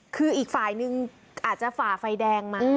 คืออีกฝ่ายนึงอาจจะฝ่าไฟแดงมา